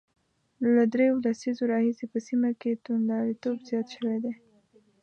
له درېو لسیزو راهیسې په سیمه کې توندلاریتوب زیات شوی دی